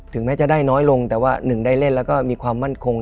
แม้จะได้น้อยลงแต่ว่าหนึ่งได้เล่นแล้วก็มีความมั่นคง